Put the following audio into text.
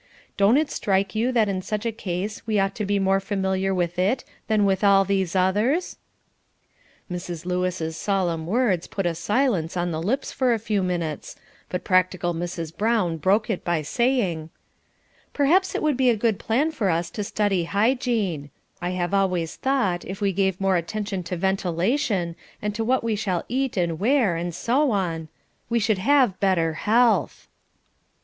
Don't it strike you that in such a case we ought to be more familiar with it than with all these others?" Mrs. Lewis' solemn words put a silence on the lips for a few minutes, but practical Mrs. Brown broke it by remarking: "Perhaps it would be a good plan for us to study hygiene. I have always thought, if we gave more attention to ventilation, and to what we shall eat and wear, and so on, we should have better health."